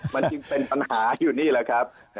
มันจึงเป็นปัญหาอยู่นี่แหละครับ